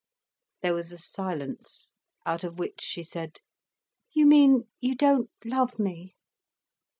There was a silence, out of which she said: "You mean you don't love me?"